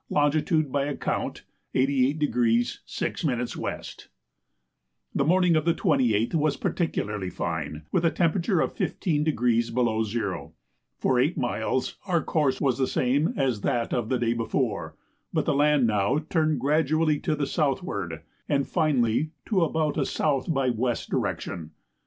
longitude by account 88° 6' W. The morning of the 28th was particularly fine, with a temperature of 15° below zero. For eight miles our course was the same as that of the day before, but the land now turned gradually to the southward, and finally to about a south by west direction.